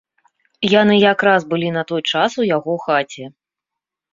Яны якраз былі на той час у яго хаце.